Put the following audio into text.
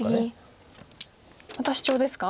またシチョウですか？